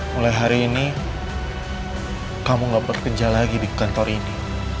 mulai hari ini kamu gak bekerja lagi di kantor ini